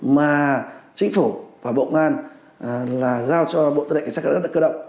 mà chính phủ và bộ an là giao cho bộ tư lệnh cảnh sát cơ động